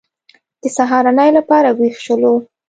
د سهارنۍ لپاره وېښ شولو.